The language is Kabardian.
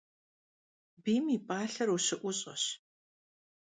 Biym yi p'alher vuşı'uş'eş.